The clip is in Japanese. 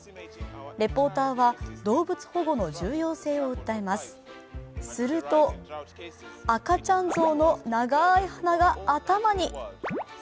レポーターは動物保護の重要性を訴えます、すると、赤ちゃん像の長い鼻が頭に。